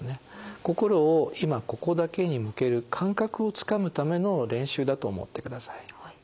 心を今・ここだけに向ける感覚をつかむための練習だと思ってください。